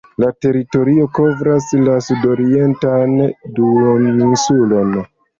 La teritorio kovras la sudorientan duoninsulon.